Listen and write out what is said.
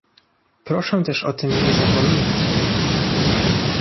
Proszę też o tym nie zapominać